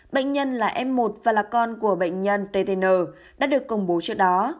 bệnh nhân là em một và là con của bệnh nhân ttn đã được công bố trước đó